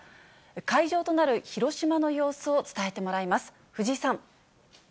会場となる広島の様子を伝えてもらいます。